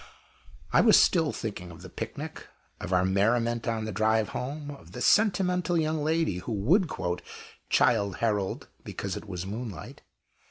I was still thinking of the picnic of our merriment on the drive home of the sentimental young lady who would quote "Childe Harold" because it was moonlight.